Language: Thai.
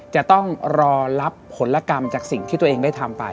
จะต้องรอรับผลกรรมจากสิ่งที่ตัวเองได้ทำไป